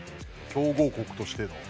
強豪国としての。